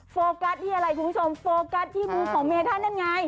โฟกัสที่อะไรคุณผู้ชมโฟกัสที่มูของเมธันนั่นไง